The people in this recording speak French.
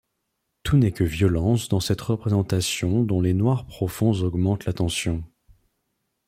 Tout n'est que violence dans cette représentation dont les noirs profonds augmentent la tension.